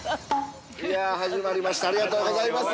いや、始まりました、ありがとうございます。